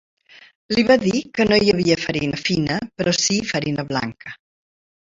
Li va dir que no hi havia farina fina, però sí farina blanca.